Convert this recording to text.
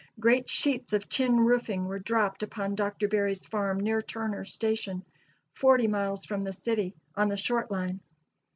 Great sheets of tin roofing were dropped upon Dr. Barry's farm near Turner's Station, forty miles from the city, on the Short Line.